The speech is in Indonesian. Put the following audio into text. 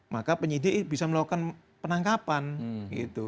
maka penyidik bisa melakukan penangkapan gitu